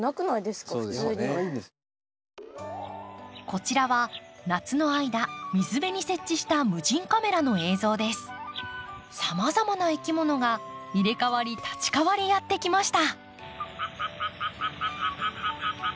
こちらは夏の間水辺に設置したさまざまないきものが入れ代わり立ち代わりやって来ました。